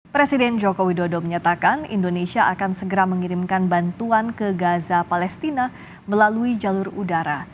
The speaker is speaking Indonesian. presiden joko widodo menyatakan indonesia akan segera mengirimkan bantuan ke gaza palestina melalui jalur udara